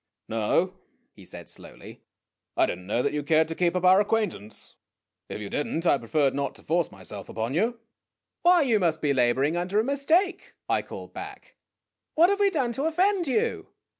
"No," he said slowly; "I did n't know that you cared to keep up our acquaintance. If you did n't, I preferred not to force my self upon you." "Why, you must be laboring under a mistake," I called back. "What have we done to offend you?'